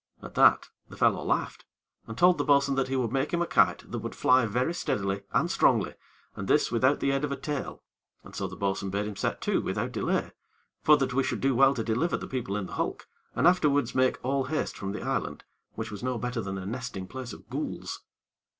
At that, the fellow laughed, and told the bo'sun that he would make him a kite that would fly very steadily and strongly, and this without the aid of a tail. And so the bo'sun bade him set to without delay, for that we should do well to deliver the people in the hulk, and afterwards make all haste from the island, which was no better than a nesting place of ghouls.